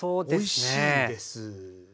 おいしいんです。